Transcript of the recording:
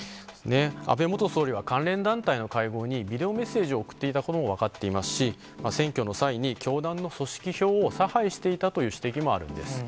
安倍元総理は関連団体の会合に、ビデオメッセージを送っていたことも分かっていますし、選挙の際に、教団の組織票を差配していたという指摘もあるんです。